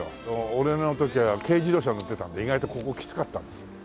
俺の時は軽自動車乗ってたんで意外とここきつかったんですよ。